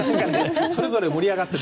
それぞれ盛り上がってて。